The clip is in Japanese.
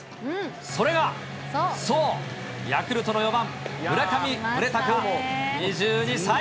それが、そう、ヤクルトの４番村上宗隆２２歳。